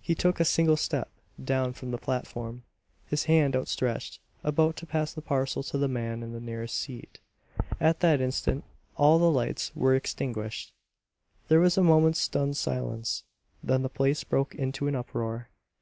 He took a single step down from the platform, his hand outstretched, about to pass the parcel to the man in the nearest seat. At that instant all the lights were extinguished. There was a moment's stunned silence; then the place broke into an uproar.